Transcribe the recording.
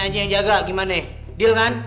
aja yang jaga gimane deal kan